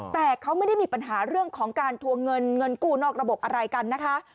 แต่เขาไม่ได้มีปัญหาเรื่องของการทวงเงินเงินกู้นอกระบบอะไรกันนะคะ